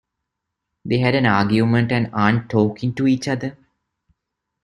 They had an argument and aren't talking to each other.